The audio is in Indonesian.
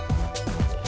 ayo kita jalan dulu